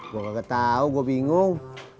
gue nggak ketau gue bingung